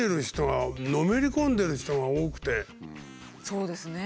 そうですね。